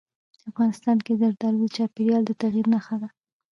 افغانستان کې زردالو د چاپېریال د تغیر نښه ده.